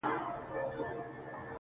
ځان بېغمه کړه د رېګ له زحمتونو؛